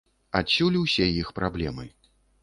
Адсюль усе іх праблемы.